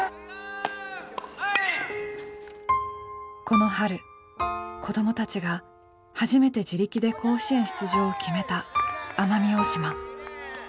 この春子どもたちが初めて自力で甲子園出場を決めた奄美大島。